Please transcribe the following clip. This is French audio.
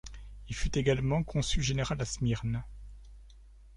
Il fut également consul général à Smyrne.